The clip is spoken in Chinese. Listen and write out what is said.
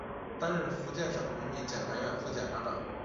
担任福建省人民检察院副检察长。